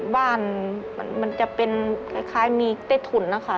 บ้านมันจะเป็นคล้ายมีใต้ถุนนะคะ